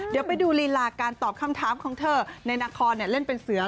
เดี๋ยวไปดูลีลาการตอบคำถามของเธอในนครเล่นเป็นเสือ